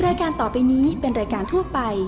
รายการต่อไปนี้เป็นรายการทั่วไป